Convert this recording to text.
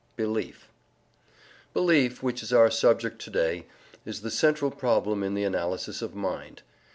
BELIEF Belief, which is our subject to day, is the central problem in the analysis of mind.